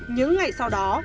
những ngày sau đó